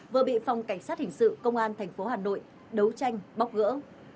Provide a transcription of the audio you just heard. vừa bị phòng cảnh sát hình sự công an thành phố hà nội đấu tranh bóc gỡ